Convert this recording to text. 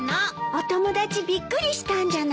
お友達びっくりしたんじゃない？